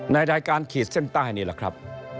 ในรายการขีดเส้นใต้นี่แหละครับ